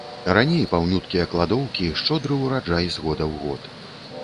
Раней паўнюткія кладоўкі, шчодры ўраджай з года ў год.